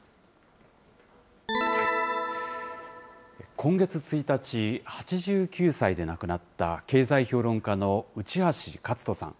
今月１日、８９歳で亡くなった経済評論家の内橋克人さん。